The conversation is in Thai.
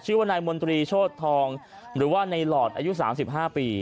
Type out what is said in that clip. ชื่อว่านายมนตรีโชธทองหรือว่าในหลอดอายุ๓๕ปี